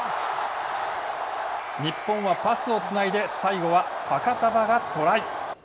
日本はパスをつないで最後は、ファカタヴァがトライ。